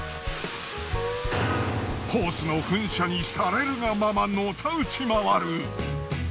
ホースの噴射にされるがままのたうち回る。